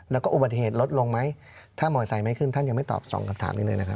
แล้วก็อุบัติเหตุลดลงไหมถ้ามอไซค์ไม่ขึ้นท่านยังไม่ตอบสองคำถามนี้เลยนะครับ